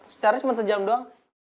secara cuma sejam doang